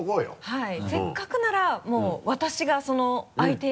はい。